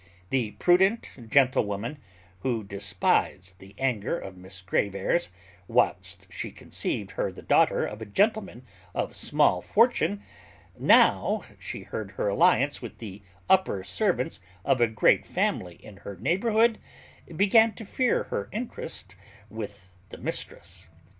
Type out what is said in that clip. The prudent gentlewoman, who despised the anger of Miss Grave airs whilst she conceived her the daughter of a gentleman of small fortune, now she heard her alliance with the upper servants of a great family in her neighbourhood, began to fear her interest with the mistress.